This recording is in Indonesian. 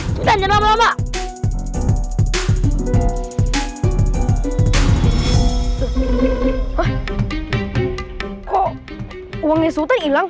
cepetan cepetan lama lama kok uangnya sultan ilang